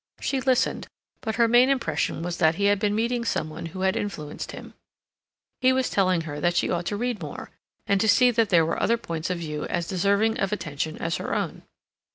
She listened, but her main impression was that he had been meeting some one who had influenced him. He was telling her that she ought to read more, and to see that there were other points of view as deserving of attention as her own.